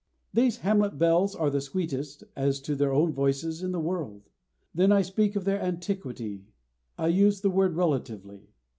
These hamlet bells are the sweetest, as to their own voices, in the world. Then I speak of their antiquity I use the word relatively.